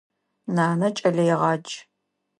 Нанэ кӏэлэегъадж.